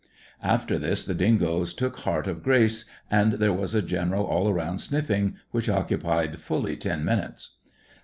After this the dingoes took heart of grace, and there was a general all round sniffing which occupied fully ten minutes.